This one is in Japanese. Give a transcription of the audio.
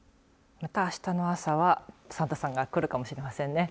また、あしたの朝はサンタさんが来るかもしれませんね。